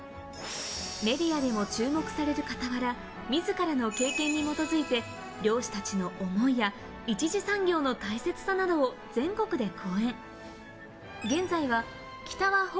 メディアでも注目される傍ら、自らの経験に基づいて、漁師たちの思いや一次産業の大切さなどを全国で講演。